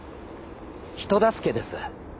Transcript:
人助けです。